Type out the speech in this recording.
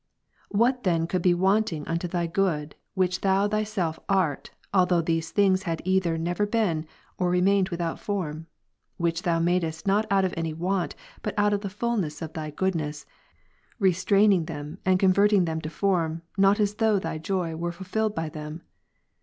What then could be wanting unto Thy good, which Thou Thyself art, although these things had either never been, or remained without form ; which Thou madest, not out of any want, but out of the fulness of Thy goodness, restraining them and converting them to form, not as though Thy joy were fulfilled by them